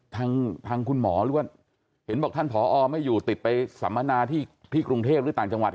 ทางคุณหมอหรือว่าเห็นบอกท่านผอไม่อยู่ติดไปสัมมนาที่กรุงเทพหรือต่างจังหวัด